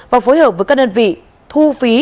và phối hợp với các đơn vị thu phí